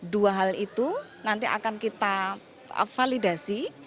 dua hal itu nanti akan kita validasi